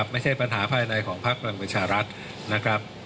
ไม่ใช่ปัญหาภายในของพักพลังประชารัฐนะครับ